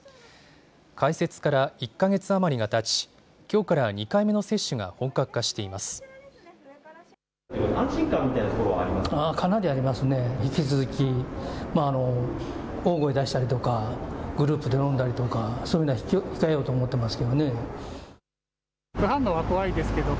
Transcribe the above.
開設から１か月余りがたちきょうから２回目の接種が本格化しています。